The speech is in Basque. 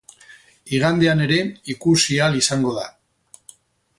Igandean ere ikusi ahal izango da.